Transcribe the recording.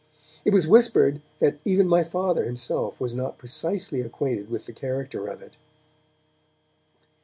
It was whispered that even my Father himself was not precisely acquainted with the character of it.